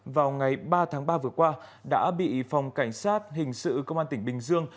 vào ngày ba tháng ba vừa qua đã bị phòng cảnh sát hình sự công an tỉnh bình dương